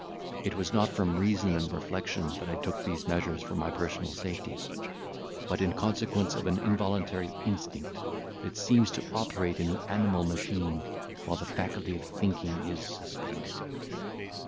It was not from reason and reflection that I took these measures for my personal safety; but, in consequence of an involuntary instinct, that seems to operate in the animal machine, while the faculty of thinking is suspended.